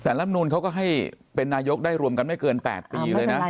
แต่ลำนูนเขาก็ให้เป็นนายกได้รวมกันไม่เกิน๘ปีเลยนะ